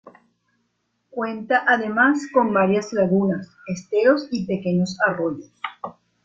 Cuenta además con varias lagunas, esteros y pequeños arroyos.